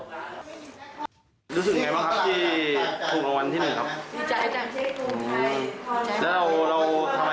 รู้สึกอย่างไรบ้างครับที่ถูกรางวัลที่๑ครับ